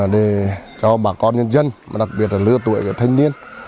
để cho bà con nhân dân đặc biệt lứa tuổi của thanh niên